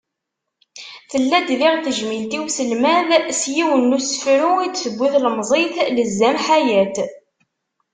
Tella-d diɣ tejmilt i uselmad s yiwen n usefru, i d-tewwi tlemẓit Lezzam Ḥayat.